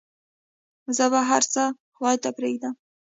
زه به هرڅه خداى ته پرېږدم.